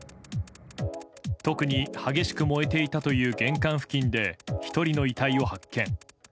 特に激しく燃えていたという玄関付近で１人の遺体を発見。